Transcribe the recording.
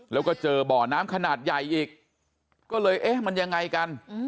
แล้วก็เจอบ่อน้ำขนาดใหญ่อีกก็เลยเอ๊ะมันยังไงกัน